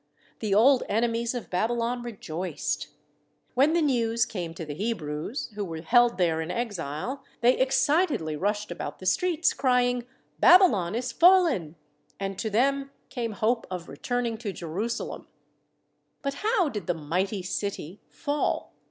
The old enemies of Babylon rejoiced. THE WALLS OF BABYLON 53 When the news came to the Hebrews, who were held there in exile, they excitedly rushed about the streets, crying: "Babylon is fallen," and to them came hope of returning to Jerusalem. But how did the "mighty city" fall?